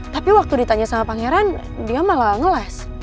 tapi waktu ditanya sama pangeran dia malah ngeles